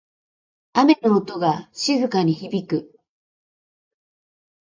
雨の音が静かに響く。